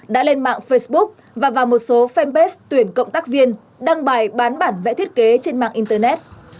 đã lên mạng facebook và vào một số fanpage tuyển cộng tác viên đăng bài bán bản vẽ thiết kế trên mạng internet